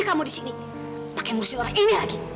cuma tadi waktu saya kompres